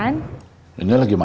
aku ke toilet sebentar ya